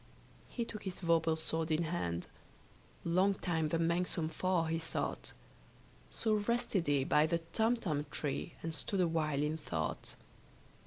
He took his vorpal sword in hand: Long time the manxome foe he sought. So rested he by the Tumtum tree, And stood awhile in thought.